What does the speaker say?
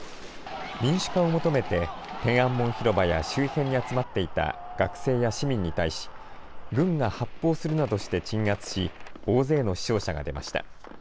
民主化を求めて、天安門広場や周辺に集まっていた学生や市民に対し、軍が発砲するなどして鎮圧し、大勢の死傷者が出ました。